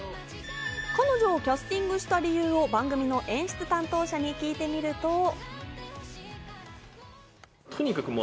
彼女をキャスティングした理由を番組の演出担当者に聞いてみると。